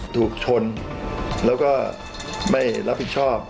ถูกชนแล้วก็ไม่รับผิดชอบ